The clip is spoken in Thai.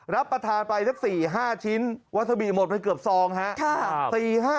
รับประทานไปสัก๔๕ชิ้นวัสิหมดไปเกือบซองฮะ